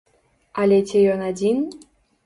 Але ці ён адзін?